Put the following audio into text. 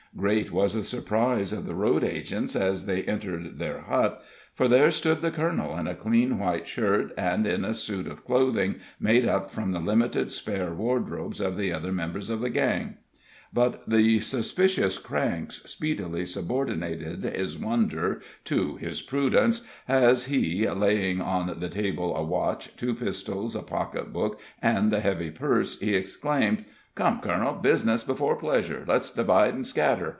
Great was the surprise of the road agents as they entered their hut, for there stood the colonel in a clean white shirt, and in a suit of clothing made up from the limited spare wardrobes of the other members of the gang. But the suspicious Cranks speedily subordinated his wonder to his prudence, as, laying on the table a watch, two pistols, a pocket book, and a heavy purse, he exclaimed: "Come, colonel, bizness before pleasure; let's divide an' scatter.